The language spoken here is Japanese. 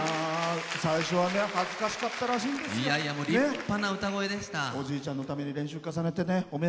最初は恥ずかしかったらしいんですが。